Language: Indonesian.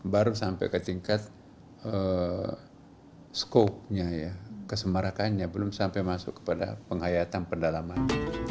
baru sampai ke tingkat skopnya ya kesemarakannya belum sampai masuk kepada penghayatan pendalaman